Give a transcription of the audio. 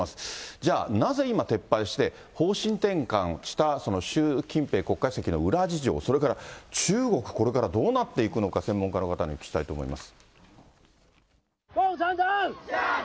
じゃあ、なぜ今、撤廃して、方針転換したその習近平国家主席の裏事情、それから中国、これからどうなっていくのか、専門家の方にお聞きしたいと思います。